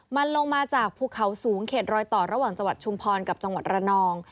มันลงมาจากภูเขาสูงเขตรอยต่อระหว่างจังหวัดชุมพรกับจังหวัดระนอง